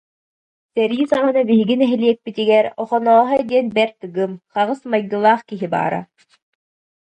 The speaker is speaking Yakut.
Сэрии саҕана биһиги нэһилиэкпитигэр Охонооһой диэн бэрт ыгым, хаҕыс майгылаах киһи баара